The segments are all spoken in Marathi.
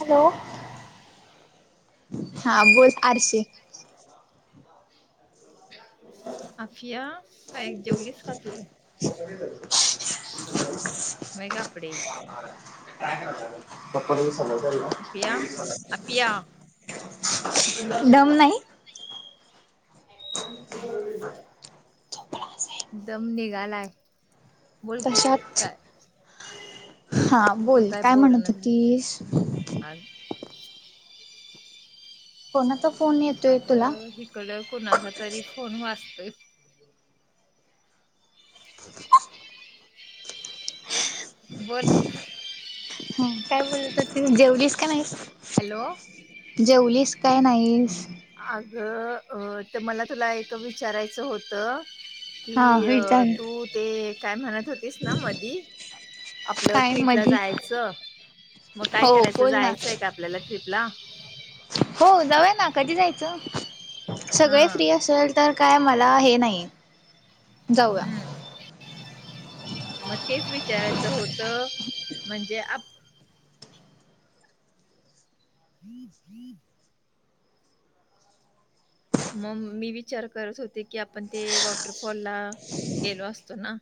हॅलो,, हा बोल आरशे [inaudible] अफिया,, बाय काय जेवलीस का तू? नाही ग आपडे. चप्पला विसरले आपिया आपिया होतो न [inaudible] दम नाही. [inaudible] दम निघाला. तशाच. हा. तू बोल, काय बोलणं म्हणत झालीस होतीस? अग कोणाचा फोन येत आग हिकड कुणाचा तरी फोन वाचतोय. बोल. हा काय बोलत होतीस? जेवलीस का नाहीस? हॅलो. जेवलीस काय नाहीस अग ते मला तुला एक विचारायचं होतं? हा की विचार तू ते काय म्हणत होतीस ना मधी. आपल काय ट्रीपला मधी जायचं. मग काय हो करायच? बोल ना जायचय का आपल्याला ट्रीपला? हो जाऊ ना. कधी जायचं? हा सगळे फ्री असेल. तर काय मला हे नाही. जाऊया. हम्म मग तेच विचारायचं होत. म्हणजे आप मग मी विचार करत होते की, आपण ते वॉटरफॉलला गेलो असतो ना.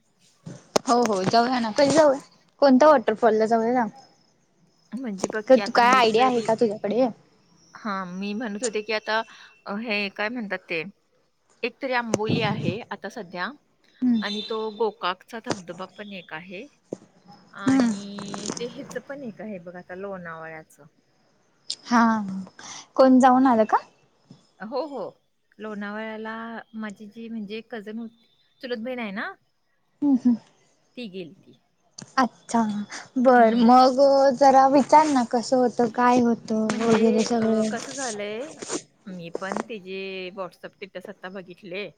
हो हो जाऊया ना. कधी जाऊया? कोणत्या वॉटरफॉल ला जाऊया? म्हणजे बघ क की तू आता काय मी आयडिया आहे तरी का तुझ्याकडे? हा मी म्हणत होते की आता, हे काय ते? एकतरी आंबोली आहे आता सध्या. हम्म आणि तो गोकाकचा धबधबा पण एक आहे. हम्म आणि ते ह्याच पण एक आहे बघ आता. लोणावळ्याचं. हा. कोण जाऊन आलं का? हो हो. लोणावळ्याला माझी ती म्हणजे कझन होती. चुलत बहीण आहे ना? हम्म हम्म. ती गेलती. अच्छा, बर मग जरा विचार ना कसं होतं? काय होत? म्हणजे अ कसं झालंय. मी पण तजे व्हॉट्सअप स्टेटस आता बघितले.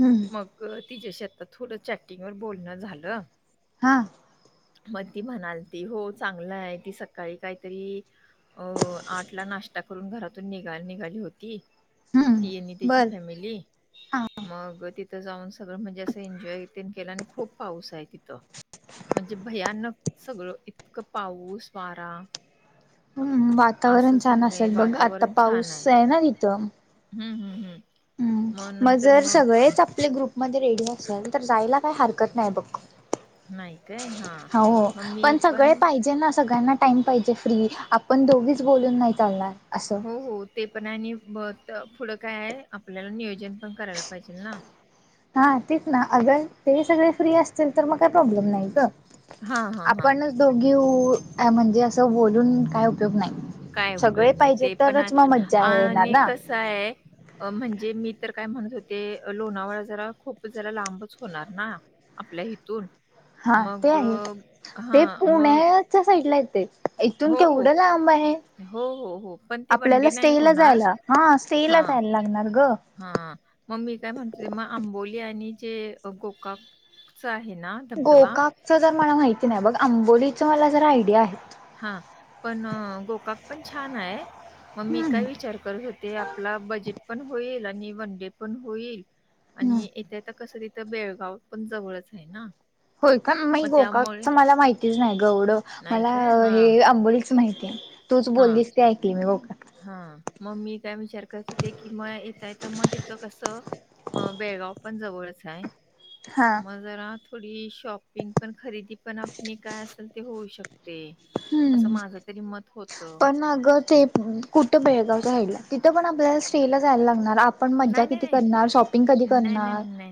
हम्म हम्म. मग तिच्या्याशी आता थोडं चॅटिंगवर बोलणं झालं. हां. मग ती म्हणालती हो चांगलंय. ती सकाळी काहीतरी अ आठला नाश्ता करून घरातून निघा निघाली होती. ती आणि हम्म त्याची बर फॅमिली. हा मग तिथं जाऊन सगळं म्हणजे असं एन्जॉय तेन केलं. आणि खूप पाऊस आहे तिथं. म्हणजे भयानक सगळं. इतकं पाऊस वारा. हम्म असं वातावरण छान झालंय. असेल बघ. आता पाऊसे ना तिथं. हम्म हम्म हम्म, हम्म मग नंतर जर मग सगळेच आपले ग्रुपमध्ये रेडी असल. तर जायला काही हरकत नाही बघ. नाही काय हां हो, मग मी पण सगळे पाहिजे ना सगळ्यांना. सगळ्या टाइम पाहिजे फ्री आपण दोघीच बोलून नाही चालणार. असं हो हो ते पण आहे आणि म त पुढं काय आहे आपल्याला नियोजन पण करायला पाहिजेल ना. हा तेच ना अगर ते सगळे फ्री असतील तर मग काही प्रॉब्लेम नाही ग. हां, हां, हां. आपणच दोघी ऊ म्हणजे असं बोलून काही उपयोग काय नाही सगळे उपयोग नाही पाहिजे तरच मग मज्जा येणार ना. काय अह म्हणजे मी तर काय म्हणत होते लोणावळा जरा खूप जरा लांबच होणार ना आपल्या हीथून. हा ते आहे, ते मग पुण्याच्या साईडला येते. इथून हो, हो. केवढ लांब आहे. हो, हो, हो. पण ते वन आपल्याला डे नाही स्टेला होणार. जायला. हा स्टेला हां, जायला लागणार ग. हां मग मी काय म्हणते मग आंबोली आणि जे गोकाकच आहे ना धबधबा गोकाकचं जर मला माहिती नाही बघ आंबोलीचं मला जरा आयडिया आहे. हा पण गोकाक पण छान आहे, मग मी हम्म काय विचार करत हो ते आपला बजेट पण होईल आणि वन डे पण होईल हम्म आणि येता यता कस ते बेळगाव पण जवळच आहे ना. होय का मी मग त्यामुळे गोकाकच मला माहितीच नाही ग येवडं नाही मला काय? अह हां, हे अंबोलीच माहितीय तूच बोललीस ते ऐकली मी हो का. हा मग मी काय विचार करत ते की म येतयता मग तिथ कसं अह बेळगाव पण जवळच आहे. हा मग जरा थोडी शॉपिंग पण खरेदी पण अपनी काय असेल ते होऊ शक ते असं हम्म माझं तरी मत होत. पण अगं ते पण कुठं बेळगावच्या साईडला, तिथं पण आपल्या स्टे ला जायला लागणार आपण मज्जा नाही, नाही, किती नाही. करणार, शॉपिंग कधी नाही, नाही, करणार. नाही,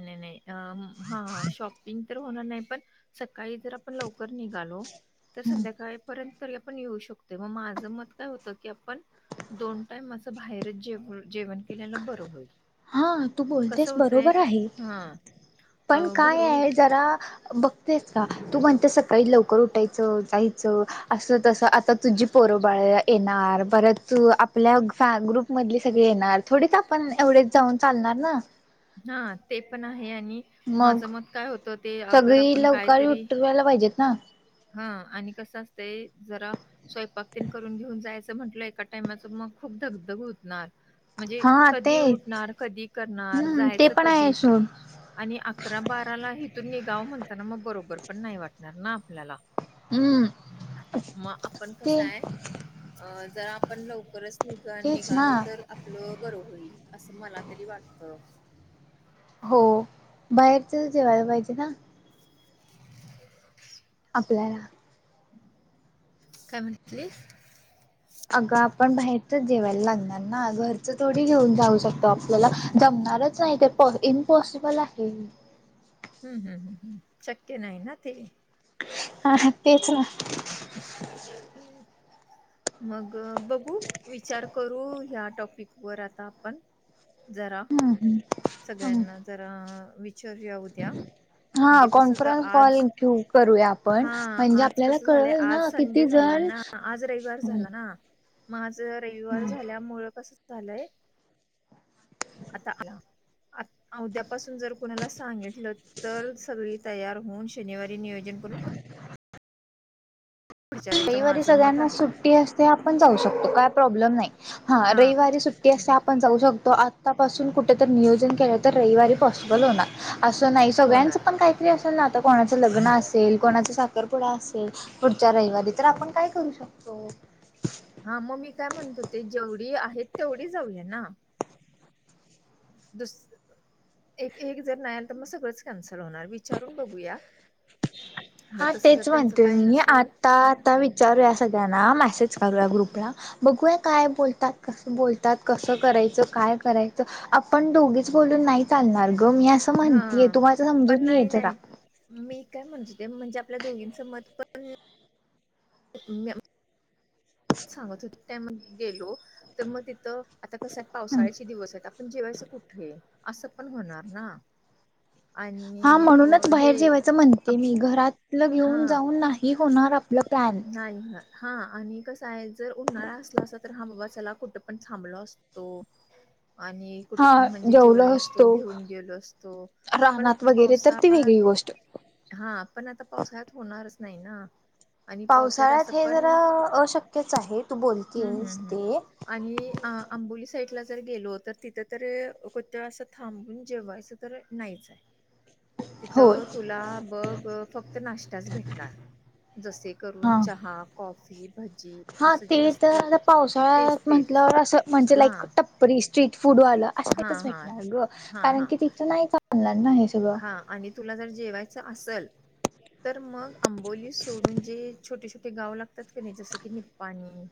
तीन तर होणार नाही पण सकाळी जर आपण लवकर निघालो तर संध्याकाळी पर्यंत तरी आपण येऊ शकतो. मग माझं मत काय होतं की आपण दोन टाइम अस बाहेरच जेव जेवण केलेल बरं होईल. हा तू कस बोलतेस होतंय बरोबर आहे हा. पण काय आहे जरा बघतेस का तू म्हणतेस सकाळी काही लवकर उठायचं, जायचं. असं तसं आता तुझी पोरोबाळ येणार परत आपल्या फॅ ग्रुप मधली सगळी येणार थोडीच आपण एवढेच जाऊन चालणार ना. हां ते पण आहे आणि मग माझं मत काय होतं ते अगर सगळी आपण लवकर कायतरी उठवायला पाहिजेत ना हा आणि कसं असतंय जरा स्वयंपाक तेन करून घेऊन जायचं म्हंटलं एका टायमाच मग खूप धगधग होतणार. म्हणजे हा ते कधी उठणार, कधी करणार, हम्म ते जायचं पण कधी. आहे सोड आणि अकरा बारा ला हिथून निघाव म्हणताना मग बरोबर पण नाही वाटणार ना आपल्याला. हम्म मग आपण कस ते आहे अह जर आपण लवकरच इथून तेच ना निघालो तर आपलं बरं होईल असं मला तरी वाटतं. हो बाहेरचच जेवायला पाहिजे ना आपल्याला काय म्हणतेस. अगं आपण बाहेरच जेवायला लागणार ना. घर अस थोडी घेऊन जाऊ शकतो आपल्याला जमणारच नाही ते पॉ इम्पॉसिबल आहे. हम्म हम्म हम्म शक्य नाही ना ते. हा हा तेच ना. [inaudible] [inaudible] मग बघू, विचार करू, ह्या टॉपिक वर आता आपण. जरा. हम्म हम्म. हम्म सगळ्यांना जरा विचारूया उद्या हा म्हणजे कसं होत कॉन्फरन्स कॉल आज घेऊ करूया आपण हा म्हणजे आज आपल्याला कसं झालंय कळेल आज ना संडे किती झाला जण ना. आज रविवार झाला ना हम्म मग आज रविवार झाल्या मुळ कसं झालंय आता आ उद्यापासून जर कोणाला सांगितलं तर सगळी तयार होऊन शनिवारी नियोजन करून पुढच्या रवि असं रविवारी माझं मत सगळ्यांना आहे. सुट्टी असते आपण जाऊ शकतो, काय प्रॉब्लेम नाही. हा हां, रविवारी सुट्टी असते हं. आपण जाऊ शकतो आ आत्तापासून कुठेतर नियोजन केलं तर रविवारी पॉसिबल होणार असं नाही होणार. सगळ्यांचं पण काय तरी असेल ना आता कोणाचं लग्न असेल, कोणाचा साखरपुडा असेल त्या रविवारी तर आपण काय करू शकतो? हा मग मी काय म्हणत होते, जेवढी आहेत तेवढी जाऊया ना? दुस एक एक जर नाही आलं तर मग सगळंच कॅन्सल होणार वि विचारून बघूया जर हा तस तेच जर त्यांच म्हणते काय मी नसल आता आता विचारूया सगळ्यांना मेसेज करूया ग्रुपला बघूया काय बोलतात? कसं बोलतात, कसं करायचं, काय करायचं आपण दोघीच बोलून नाही चालणार ग मी असं म्हणतीय हा तु माझं समजून पण घे नाही जरा नाही मी काय म्हणत होते म्हणजे आपल्या दोघींचं मत प म सांगत होते त्या म गेलो तर मग तिथं आता कस आहेत पावसाळ्याचे दिवस आहेत आपण जेवायचं कुठे असं पण होणार ना. हा आणि म्हणूनच बाहेर हे जेवायचं म्हणते मी घरातलं हा घेऊन जाऊन नाही होणार आपलं प्लॅन. नाही होणार हां आणि कसय जर उन्हाळा असला असता तर हा बाबा चला कुठं पण थांबलो असतो. तो आणि कुठे पण म्हणजे जेवलो असतो, घेऊन गेलो असतो. पण रानात वगैरे तर ती वेगळी गोष्ट. पावसाळ्यात हा पण आता पावसाळ्यात होणारच नाही ना. आणि पावसाळ्यात असं पण अ अशक्यच आहे तु बोल हम्म हम्म हम्म आणि अ आंबोली साईडला जर गेलो तर तिथं तर कोत्या असं थांबून जेवायचं तर नाहीचं आहे. होय तिथं तुला बघ फक्त नाश्ताच भेटणार जसे करून हा. चहा, कॉफी भजी. हा असं ते जे तर असतल आता तेच पावसाळ्यात तेच. म्हटल्यावर असं म्हणजे लाईक हां, टप्परी स्ट्रीट फूड वाला हां, असच हां. भेटणार ग हां, कारण की तिथं नाही का ऑनलाईन ना हे सगळं. ह आणि तुला जर जेवायच असल तर मग आंबोली सोडून जे छोटे छोटे गाव लागतात कि नाही जसं की निपाणी,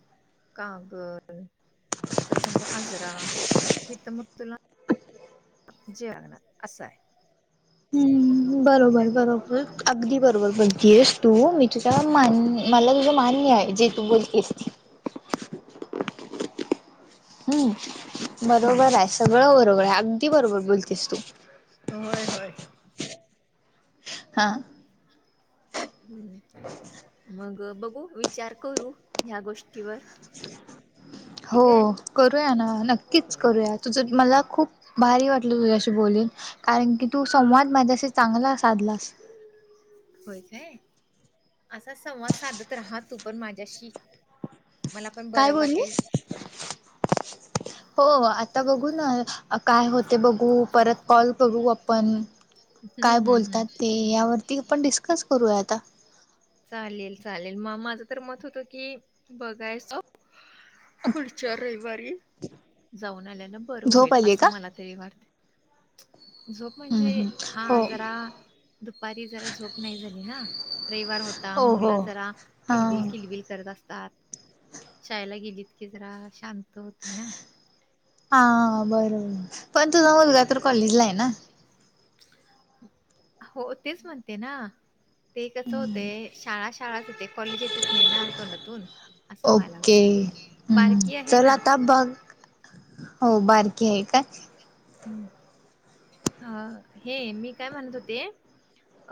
कागल तुला सांगतो आजरा हिथ मग तुला जेवायला अस हाय. हम्म. बरोबर बरोबर अगदी बरोबर बघती आहेस तू मी तुझ मान मला मान्य आहे जे तू बोलतेस ते. हम्म. बरोबर हम्म आहे सगळं बरोबर आहे अगदी बरोबर बोलतेस तू. होय होय. हा. हम् मग बघू विचार करू ह्या गोष्टीवर. हो ठीक आहे. करूया ना नक्कीच हम्म. करूयात. तुझं मला खूप भारी वाटलं तुझ्याशी बोलून. कारण की तू संवाद माझ्याशी चांगला साधलास. होय काय? असा संवाद साधत राहा तू पण माझ्याशी. मला पण काय बरं वाटेल. बोललीस? हो. आता बघू ना काय होते बघू परत कॉल करू आपण. हम्म काय हम्म हम्म बोलतात ते यावरती आपण डिस्कस करूयात. चालेल चालेल मग माझं तर मत होतं की बघायचं पुढच्या रविवारी जाऊन आल्यान बरं होईल झोप आली असं का मला तरी वाटते. झोप हम्म म्हणजे हम्म हा जरा हो दुपारी जरा झोप नाही झाली ना. रविवार होता हो मुलं हो जरा हा किलबिल किल बिल करत असतात. शाळेला गेलीत की जरा शांत होतं ना. हा बरोबर पण तुझा मुलगा तर कॉलेजला आहे ना. हो तेच म्हणते ना. ते कस होते शाळा शाळाच येते कॉलेज येतेच नाही ना तोंडातून. असं व्हायला ओके लागलंय. ह्म बारकी आहे चल ना आता बघ हो बारकी आहे काय? ह अ हे मी काय म्हणत होते.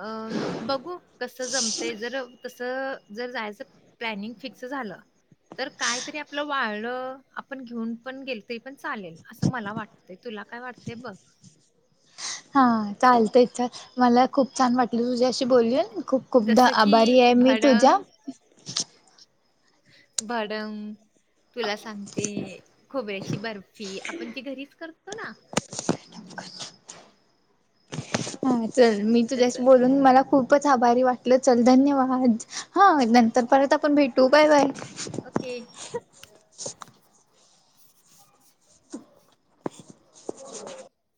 अं बघू कसं जमते जर तस जर जायचं प्लॅनिंग फिक्स झालं. तर कायतरी आपलं वाळळ आपण घेऊन पण गेल तरी पण चालेल असं मला वाटतंय. तुला काय वाटतय बघ? हा चालतंय तर माला छान वाटलं तुझ्याशी बोलून. खूप खूप द जसं की आभारी आहे मी तुझ्या. भडंग भडंग. तुला सांगते खोबऱ्याची बर्फी आपण ती घरीच कर तो ना. हा चल मी तुझ्याशी तसं बोलून मला खूपच आभारी वा चल धन्यवाद हा नंतर परत आपण भेटू बाय बाय. के. [unintelligible] [unintelligible]